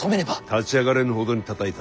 立ち上がれぬほどにたたいた。